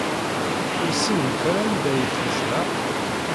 Ur tessinemt ara anda ay tezdeɣ?